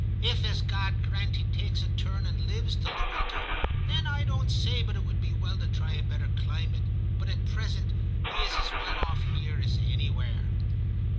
If, as God grant, he takes a turn and lives till the winter, then I don't say but it would be well to try a better climate. But at present he is as well off here as anywhere.'